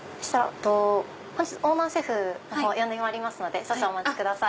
本日オーナーシェフの方呼んでまいりますので少々お待ちください。